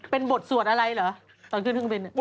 เป็นบทสวดอะไรเหรอตอนขึ้นเครื่องบิน